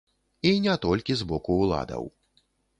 І не толькі з боку ўладаў.